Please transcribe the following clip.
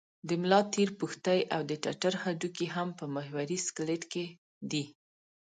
د ملا تیر، پښتۍ او د ټټر هډوکي هم په محوري سکلېټ کې دي.